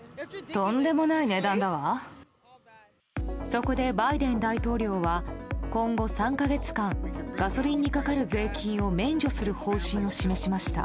そこで、バイデン大統領は今後３か月間ガソリンにかかる税金を免除する方針を示しました。